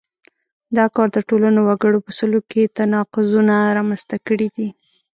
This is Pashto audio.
دا کار د ټولنو وګړو په سلوک کې تناقضونه رامنځته کړي دي.